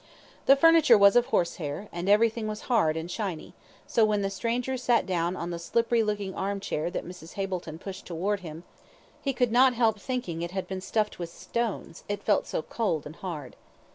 The furniture was of horsehair, and everything was hard and shiny, so when the stranger sat down in the slippery looking arm chair that Mrs. Hableton pushed towards him; he could not help thinking it had been stuffed with stones, it felt so cold and hard.